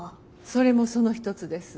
それもその一つです。